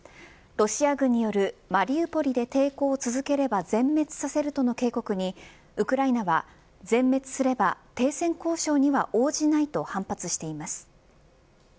ロシア軍によるマリウポリで抵抗を続ければ全滅させるとの警告にウクライナは全滅すれば停戦交渉には応じないと反発しています。